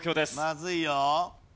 まずいよ。